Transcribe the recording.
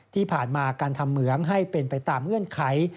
ที่ผ่านมาการทำเหมืองให้เป็นไปตามเงื่อนไข